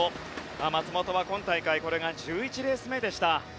松元は今大会これが１１レース目でした。